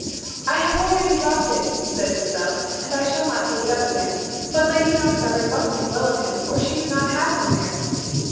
"I have already dropped it," said Isabel, "and I shall not take it up again. But Lady Mount Severn must think well of him, or she would not have him there."